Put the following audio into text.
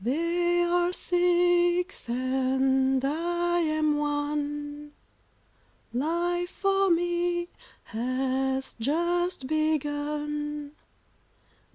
They are six, and I am one, Life for me has just begun.